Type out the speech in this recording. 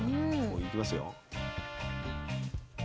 いきますよ。